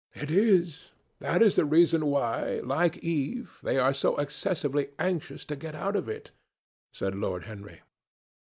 "It is. That is the reason why, like Eve, they are so excessively anxious to get out of it," said Lord Henry.